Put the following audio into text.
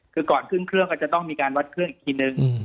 คือก่อนขึ้นเครื่องก็จะต้องมีการวัดเครื่องอีกทีนึง